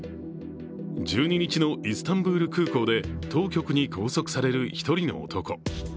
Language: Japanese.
１２日のイスタンブール空港で当局に拘束される一人の男。